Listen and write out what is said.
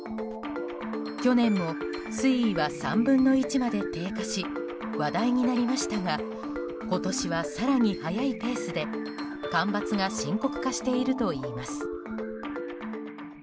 去年も水位は３分の１まで低下し話題になりましたが今年は更に早いペースで干ばつが深刻化しているといいます。